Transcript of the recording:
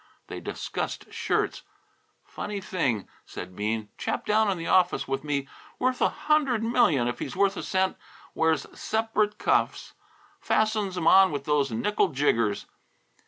They discussed shirts. "Funny thing," said Bean. "Chap down in the office with me, worth about a hundred million if he's worth a cent, wears separate cuffs; fastens 'em on with those nickel jiggers."